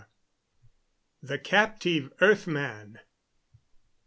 THE CAPTIVE EARTH MAN.